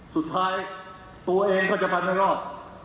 สุดท้ายตัวเองก็จะบรรในรอบ